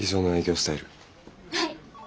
はい。